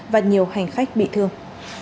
và nhiều hành khách bị thương